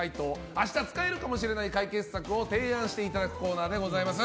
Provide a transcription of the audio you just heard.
明日使えるかもしれない解決策を提案していただくコーナーでございます。